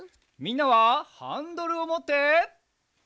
みんなはハンドルをもって。